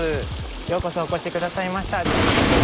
ようこそお越し下さいました。